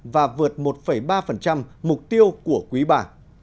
và vượt một ba mục tiêu của quý bà